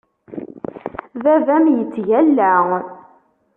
Baba-m yettgalla.